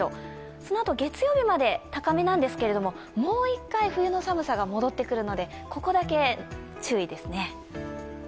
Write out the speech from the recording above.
そのあと、月曜日まで高めなんですけど、もう一回、冬の寒さが戻ってくるので、ここだけ注意ですね。